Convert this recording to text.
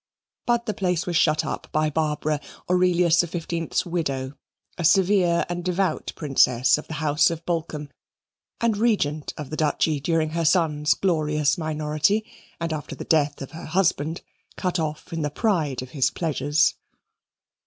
But the place was shut up by Barbara, Aurelius XV's widow, a severe and devout Princess of the House of Bolkum and Regent of the Duchy during her son's glorious minority, and after the death of her husband, cut off in the pride of his pleasures.